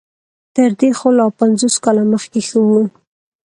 تر دې خو لا پنځوس کاله مخکې ښه وو.